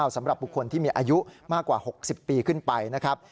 สำหรับบุคคลที่มีอายุมากกว่า๖๐ปีขึ้นไปนะครับ